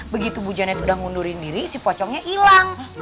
begitu bu janet udah ngundurin diri si pocongnya hilang